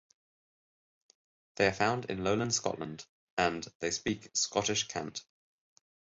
They are found in Lowland Scotland and they speak Scottish Cant.